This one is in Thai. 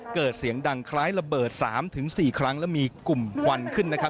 เกิดเสียงดังคล้ายระเบิด๓ถึง๔ครั้งแล้วมีกลุ่มหวั่นขึ้น